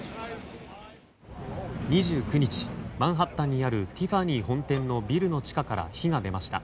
２９日マンハッタンにあるティファニー本店のビルの地下から火が出ました。